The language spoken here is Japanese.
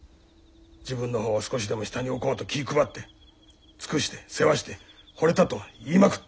自分の方を少しでも下に置こうと気ぃ配って尽くして世話して「ほれた」と言いまくって。